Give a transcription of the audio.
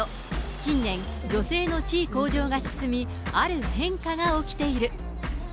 近年、女性の地位向上が進み、ある変化が起きている。